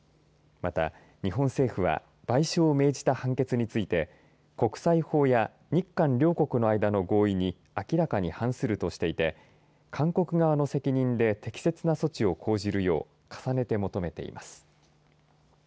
また日本政府は賠償を命じた判決について国際法や日韓両国の間の合意に明らかに反するとしていて韓国側の責任で適切な措置を講じるよう重ねて求めています。